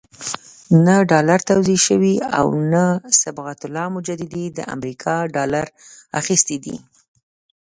نه ډالر توزیع شوي او نه صبغت الله مجددي د امریکا ډالر اخیستي دي.